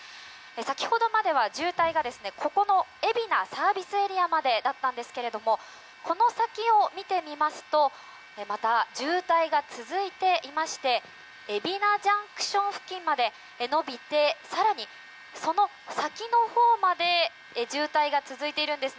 先ほどまでは渋滞が海老名ＳＡまでだったんですがこの先を見てみますとまた渋滞が続いていまして海老名ＪＣＴ付近まで延びて更にその先のほうまで渋滞が続いているんです。